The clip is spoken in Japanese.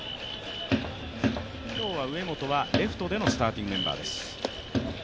今日は上本はレフトでのスターティングメンバーです。